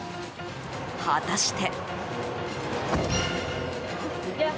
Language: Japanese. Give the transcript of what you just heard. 果たして。